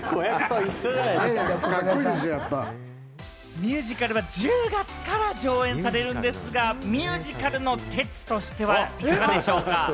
ミュージカルは１０月から上演されるんですが、ミュージカルの哲としてはいかがでしょうか？